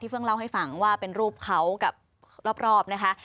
เพิ่งเล่าให้ฟังว่าเป็นรูปเขากับรอบนะคะ